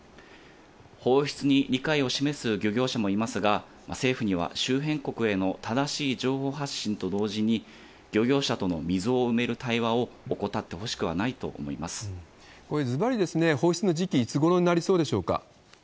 放出に理解を示す漁業者もいますが、政府には、周辺国への正しい情報発信とともに、漁業者との溝を埋める対話をこれ、ずばり、放出の時期、いつごろになりそうでしょうか？